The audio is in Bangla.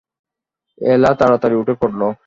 এলা তাড়াতাড়ি উঠে পড়ল।